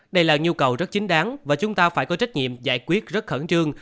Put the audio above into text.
đây là nhu cầu rất chính đáng và chúng ta phải có trách nhiệm giải quyết rất khẩn trương